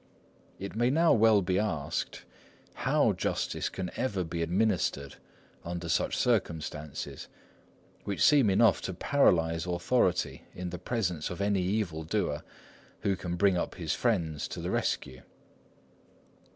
It may now well be asked, how justice can ever be administered under such circumstances, which seem enough to paralyse authority in the presence of any evil doer who can bring up his friends to the rescue.